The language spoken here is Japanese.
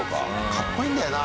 かっこいいんだよな。